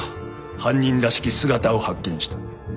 犯人らしき姿を発見した